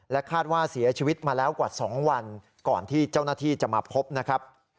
คาดว่าเสียชีวิตมาแล้วกว่า๒วันก่อนที่เจ้าหน้าที่จะมาพบนะครับ